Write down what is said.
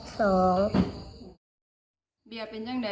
สอง